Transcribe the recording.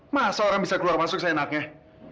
masa orang bisa keluar masuk saya nak ngeh